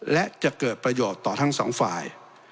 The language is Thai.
และจะเกิดประโยชน์ต่อทั้งสองฝ่าย